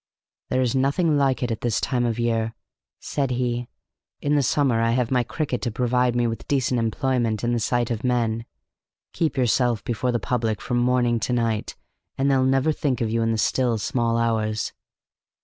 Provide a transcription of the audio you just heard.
"There is nothing like it at this time of year," said he. "In the summer I have my cricket to provide me with decent employment in the sight of men. Keep yourself before the public from morning to night, and they'll never think of you in the still small hours."